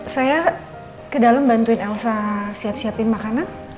saya ke dalam bantuin elsa siap siapin makanan